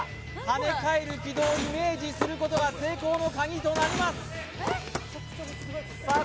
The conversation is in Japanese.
跳ね返る軌道をイメージすることが成功のカギとなりますさあ